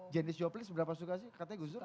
janis joplis seberapa suka sih katanya gus dur